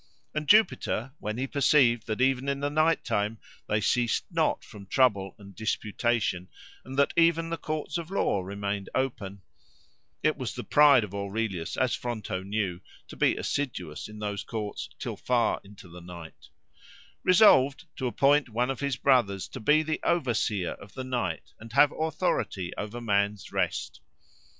And Jupiter, when he perceived that even in the night time they ceased not from trouble and disputation, and that even the courts of law remained open (it was the pride of Aurelius, as Fronto knew, to be assiduous in those courts till far into the night) resolved to appoint one of his brothers to be the overseer of the night and have authority over man's rest.